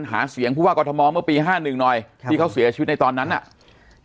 หาเสียงผู้ว่ากรทมเมื่อปีห้าหนึ่งหน่อยค่ะที่เขาเสียชีวิตในตอนนั้นน่ะ